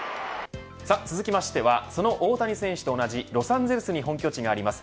続きましてはその大谷選手と同じロサンゼルスに本拠地があります